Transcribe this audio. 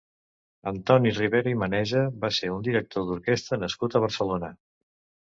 Antoni Ribera i Maneja va ser un director d'orquestra nascut a Barcelona.